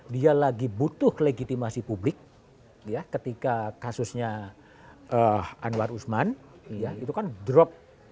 dia lagi butuh legitimasi publik ketika kasusnya anwar usman itu kan drop